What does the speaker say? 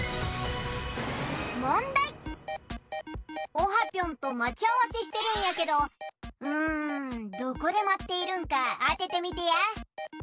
オハぴょんとまちあわせしてるんやけどうんどこでまっているんかあててみてや！